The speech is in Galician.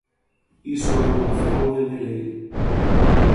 Iso é unha fraude de lei.